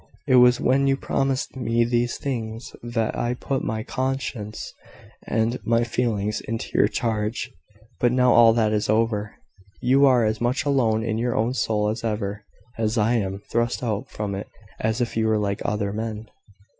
It was when you promised me these things that I put my conscience and my feelings into your charge. But now all that is over. You are as much alone in your own soul as ever, and I am thrust out from it as if you were like other men...